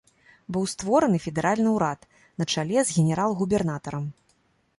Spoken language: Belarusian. Быў створаны федэральны ўрад на чале з генерал-губернатарам.